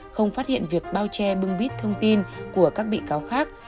không phát hiện việc bao che bưng bít thông tin của các bị cáo khác